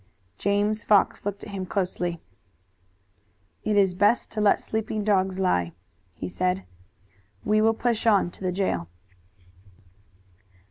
James Fox looked at him closely. "It is best to let sleeping dogs lie," he said. "We will push on to the jail."